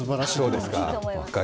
そうですか。